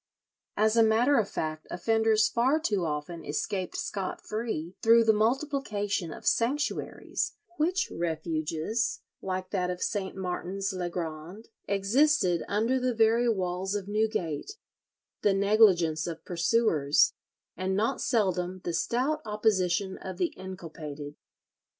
As a matter of fact offenders far too often escaped scot free through the multiplication of sanctuaries—which refuges, like that of St. Martin's le Grand, existed under the very walls of Newgate—the negligence of pursuers, and not seldom the stout opposition of the inculpated.